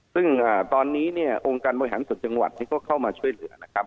ซึ่งตอนนี้เนี่ยองค์การบริหารส่วนจังหวัดนี้ก็เข้ามาช่วยเหลือนะครับ